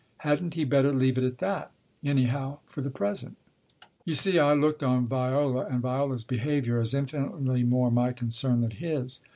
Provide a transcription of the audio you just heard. Hadn't he better leave it at that, anyhow, for the present ? You see I looked on Viola and Viola's behaviour as infinitely more my concern than his.